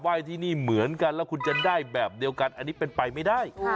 มันเหมือนกันทุกหมวด